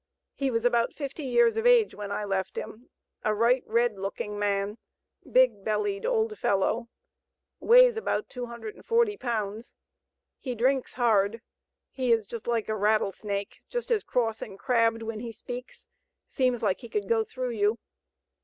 He was about fifty years of age, when I left him, a right red looking man, big bellied old fellow, weighs about two hundred and forty pounds. He drinks hard, he is just like a rattlesnake, just as cross and crabbed when he speaks, seems like he could go through you.